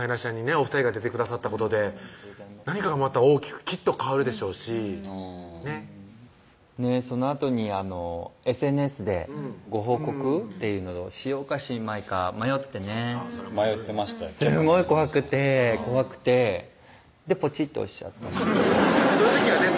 お２人が出てくださったことで何かがまた大きくきっと変わるでしょうしねっそのあとにＳＮＳでご報告っていうのをしようかしまいか迷ってね迷ってましたすごい怖くて怖くてでポチッて押しちゃったアハハッそういう時はね